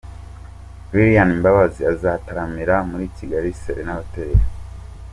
Lilian Mbabazi azataramira muri Kgali Serena Hotel.